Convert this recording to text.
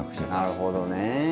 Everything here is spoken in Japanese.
なるほどね。